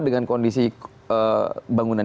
dengan kondisi bangunan